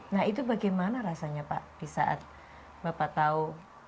nah itu bagaimana rasanya pak di saat bapak tahu